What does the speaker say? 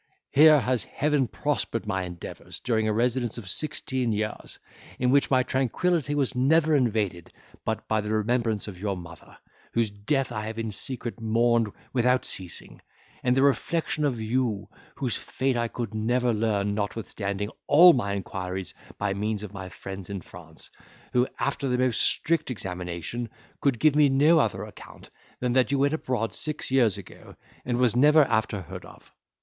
Here has heaven prospered my endeavours, during a residence of sixteen years, in which my tranquillity was never invaded but by the remembrance of your mother, whose death I have in secret mourned without ceasing, and the reflection of you, whose fate I could never learn notwithstanding all my inquiries by means of my friends in France, who, after the most strict examination, could give me no other account than that you went abroad six years ago, and was never after heard of.